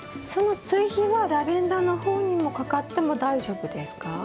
その追肥はラベンダーの方にもかかっても大丈夫ですか？